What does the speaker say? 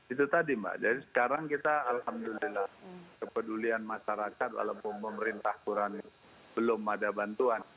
itu tadi mbak jadi sekarang kita alhamdulillah kepedulian masyarakat walaupun pemerintah kurang belum ada bantuan